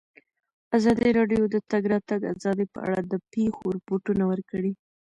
ازادي راډیو د د تګ راتګ ازادي په اړه د پېښو رپوټونه ورکړي.